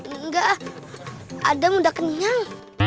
enggak adam udah kenyang